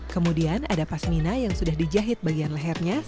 kemudian ada pasmina yang sudah dijahit bagian lehernya